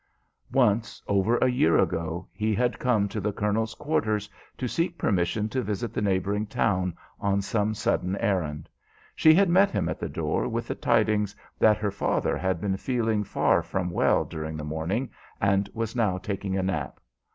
Once over a year ago he had come to the colonel's quarters to seek permission to visit the neighboring town on some sudden errand. She had met him at the door with the tidings that her father had been feeling far from well during the morning, and was now taking a nap.